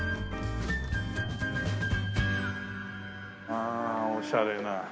まあおしゃれな。